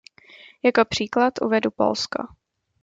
Jako příklad uvedu Polsko.